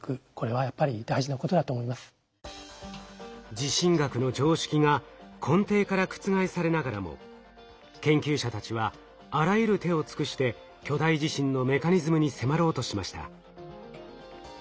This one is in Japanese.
地震学の常識が根底から覆されながらも研究者たちはあらゆる手を尽くして巨大地震のメカニズムに迫ろうとしました。